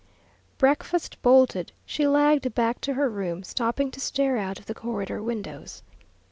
Breakfast bolted, she lagged back to her room, stopping to stare out of the corridor windows.